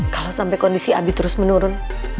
kalau sampai kondisi abi terus menurun